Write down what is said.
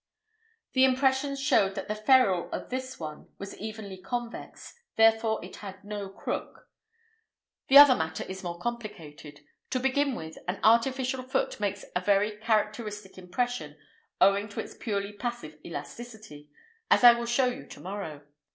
The impressions showed that the ferrule of this one was evenly convex; therefore it had no crook. The other matter is more complicated. To begin with, an artificial foot makes a very characteristic impression, owing to its purely passive elasticity, as I will show you to morrow.